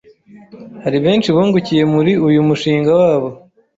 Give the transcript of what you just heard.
hari benshi bungukiye muri uyu mushinga wabo